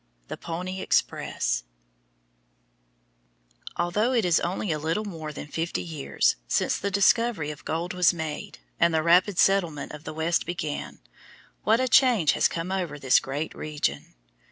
THE PONY EXPRESS Although it is only a little more than fifty years since the discovery of gold was made and the rapid settlement of the West began, what a change has come over this great region!